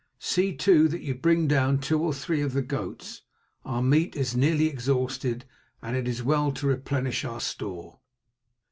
See, too, that you bring down two or three of the goats. Our meat is nearly exhausted, and it is well to replenish our store."